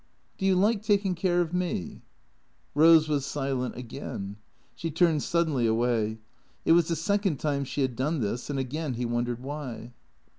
" Do you like taking care of me ?" Rose was silent again. She turned suddenly away. It was the second time she had done this, and again he wondered why.